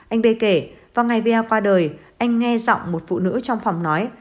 anh bê kể vào ngày v a qua đời anh nghe giọng một phụ nữ trong phòng nói